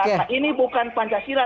karena ini bukan pancasila